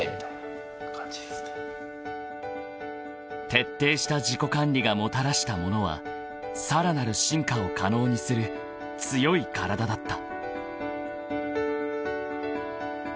［徹底した自己管理がもたらしたものはさらなる進化を可能にする強い体だった］